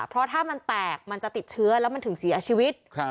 เพราะถ้ามันแตกมันจะติดเชื้อแล้วมันถึงเสียชีวิต